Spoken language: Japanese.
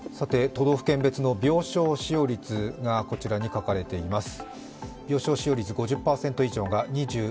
都道府県別の病床使用率がこちらに書かれています。